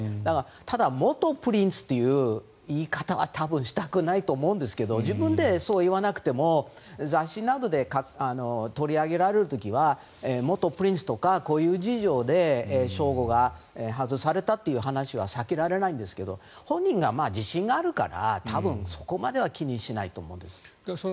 ただ、元プリンスという言い方は多分したくないと思うんですが自分でそう言わなくても雑誌などで取り上げられる時は元プリンスとかこういう事情で称号が外されたという話は避けられないんですけど本人が自信があるから多分、そこまでは気にしないと思うんです。